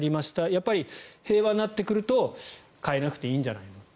やっぱり平和になってくると変えなくていいんじゃないのと。